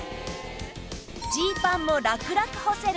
ジーパンもラクラク干せる